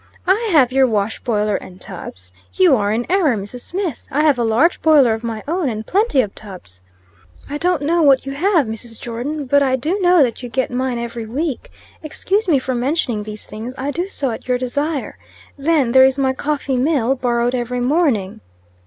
"I have your wash boiler and tubs? You are in error, Mrs. Smith. I have a large boiler of my own, and plenty of tubs." "I don't know what you have, Mrs. Jordon; but I do know that you get mine every week. Excuse me for mentioning these things I do so at your desire. Then, there is my coffee mill, borrowed every morning."